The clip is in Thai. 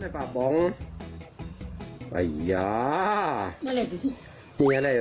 ไปดูนะค่ะ